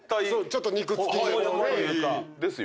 ちょっと肉つき。ですよ。